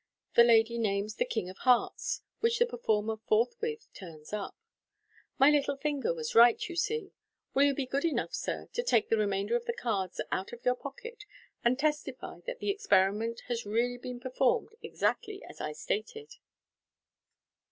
(The lady names the king of hearts, which the performer forthwith turns up.) "My little finger was right, you see. Will you be good enough, sir, to take the remainder of the cards out of your pocket, and testify that the experi ment has really been performed exactly as I have stated."